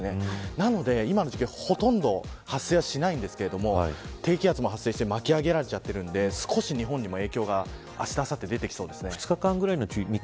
なので、今の時期はほとんど発生はしないんですけど低気圧も発生して巻き上げられているので日本にも影響があした、あさって出てきそうです。